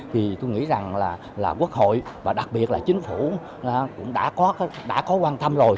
thì tôi nghĩ rằng là quốc hội và đặc biệt là chính phủ cũng đã có quan tâm rồi